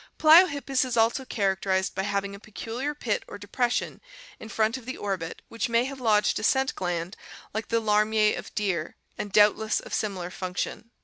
Pliohip pus is also characterized by having a pe culiar pit or depression in front of the orbit which may have lodged a scent gland like the larmier of deer and doubt less of similar function.